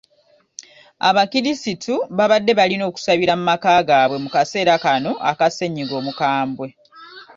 Abakirisitu babadde balina okusabira mu maka gaabwe mu kaseera kano aka sennyiga omukambwe.